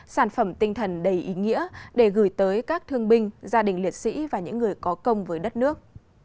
sản phẩm tinh thần đầy ý nghĩa để gửi tới các thương binh gia đình liệt sĩ và những người có công với đất nước